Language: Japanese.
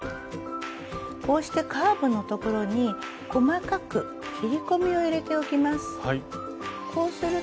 こうしてカーブの所に細かく切り込みを入れておきます。